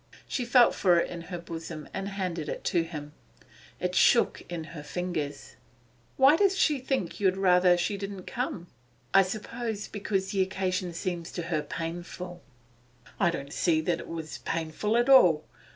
She felt for it in her bosom and handed it to him. It shook in her fingers. 'Why does she think you'd rather she didn't come?' 'I suppose because the occasion seems to her painful.' 'I don't see that it was painful at all.